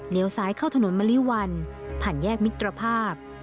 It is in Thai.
ซ้ายเข้าถนนมะลิวันผ่านแยกมิตรภาพ